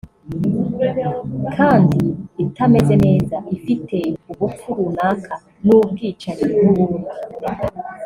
kandi itameze neza (Ifite ubupfu runaka) ni ubwicanyi nk’ubundi